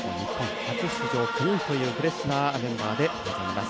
初出場９人というフレッシュなメンバーで臨みます。